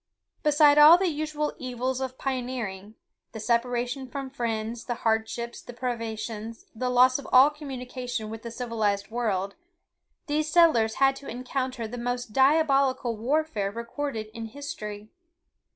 Beside all the usual evils of pioneering—the separation from friends, the hardships, the privations, the loss of all communication with the civilized world, these settlers had to encounter the most diabolical warfare recorded in history.